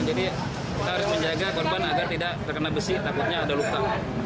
jadi kita harus menjaga korban agar tidak terkena besi takutnya ada luka